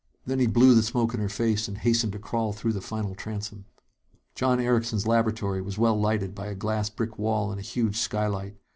Then he blew the smoke in her face and hastened to crawl through the final transom. John Erickson's laboratory was well lighted by a glass brick wall and a huge skylight.